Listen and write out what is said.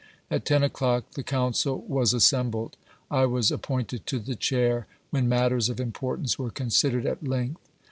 At 10 o'clock, the council was assembled. I was appointed to the Chair, when matters of importance were considered at length.